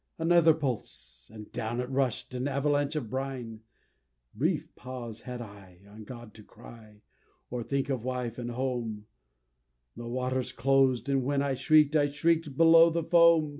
Another pulse and down it rush'd an avalanche of brine! Brief pause had I, on God to cry, or think of wife and home; The waters clos'd and when I shriek'd, I shriek'd below the foam!